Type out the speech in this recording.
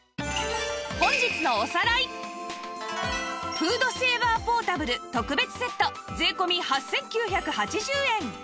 フードセーバーポータブル特別セット税込８９８０円